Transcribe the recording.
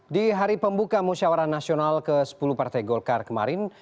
di hari pembuka musyawara nasional ke sepuluh partai golkar kemarin